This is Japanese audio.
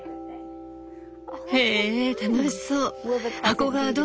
へえ楽しそう。